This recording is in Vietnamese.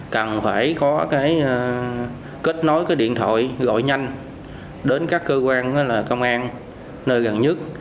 cần phải có kết nối điện thoại gọi nhanh đến các cơ quan công an nơi gần nhất